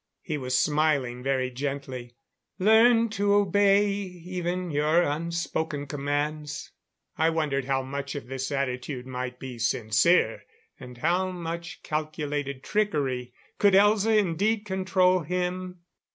He was smiling very gently. "Learned to obey even your unspoken commands." I wondered how much of this attitude might be sincere, and how much calculated trickery. Could Elza, indeed, control him?